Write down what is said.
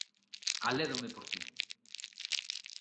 Alédome por ti.